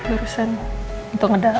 urusan untuk ngeda om irfan